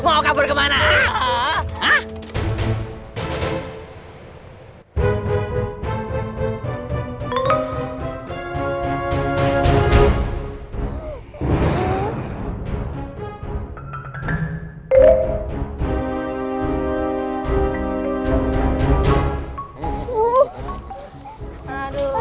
mau kabur kemana